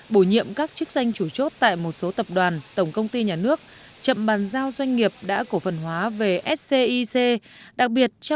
bổ nhiệm các chức danh chủ chốt tại một số tập đoàn tổng công ty nhà nước chậm bàn giao doanh nghiệp đã cổ phần hóa về scic